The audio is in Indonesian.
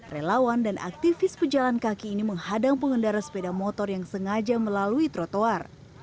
relawan dan aktivis pejalan kaki ini menghadang pengendara sepeda motor yang sengaja melalui trotoar